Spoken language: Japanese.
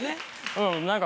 うん何か。